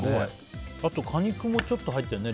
あと、果肉もちょっと入ってるね。